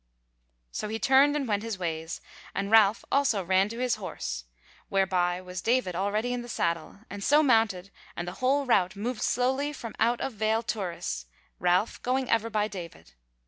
So he turned and went his ways; and Ralph also ran to his horse, whereby was David already in the saddle, and so mounted, and the whole rout moved slowly from out of Vale Turris, Ralph going ever by David.